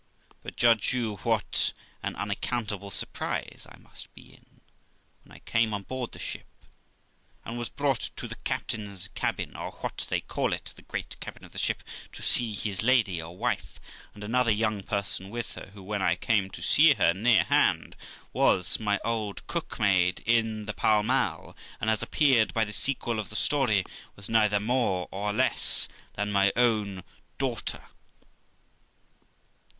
But judge you what an unaccountable surprise I must be in, when I came on board the ship, and was brought into the captain's cabin, or what they call it, the great cabin of the ship, to see his lady, or wife, and another young person with her, who, when I came to see her near hand, was my old cook maid in the Pall Mall, and, as appeared by the sequel of the story, was neither more or less than my own daughter.